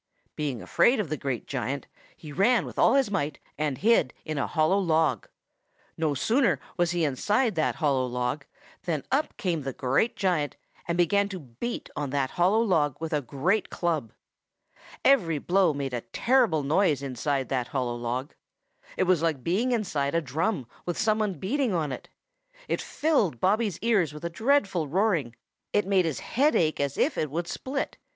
Being afraid of the great giant, he ran with all his might and hid in a hollow log. No sooner was he inside that hollow log than up came the great giant and began to beat on that hollow log with a great club. Every blow made a terrible noise inside that hollow log. It was like being inside a drum with some one beating it. It filled Bobby's ears with a dreadful roaring. It made his head ache as if it would split.